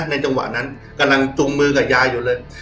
จังหวะนั้นกำลังจุงมือกับยายอยู่เลย